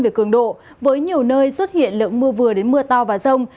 về cường độ với nhiều nơi xuất hiện lượng mưa vừa đến mưa to và rông